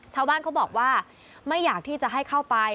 ชาวบ้านเขาบอกว่าไม่อยากที่จะให้เข้าไป